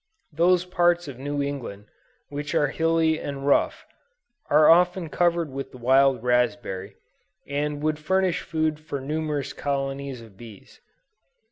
Those parts of New England, which are hilly and rough, are often covered with the wild raspberry, and would furnish food for numerous colonies of bees.